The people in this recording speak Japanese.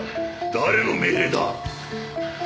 誰の命令だ？